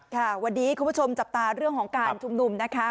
ค่ะวันนี้คุณผู้ชมจับตาเรื่องของการชุมนุมนะคะ